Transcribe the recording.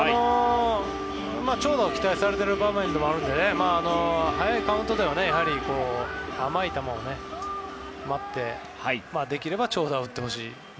長打を期待されている場面でもあるので早いカウントでは甘い球を待ってできれば長打を打ってほしい。